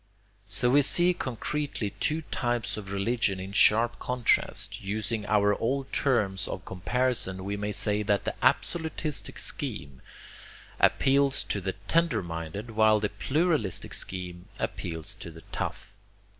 So we see concretely two types of religion in sharp contrast. Using our old terms of comparison, we may say that the absolutistic scheme appeals to the tender minded while the pluralistic scheme appeals to the tough.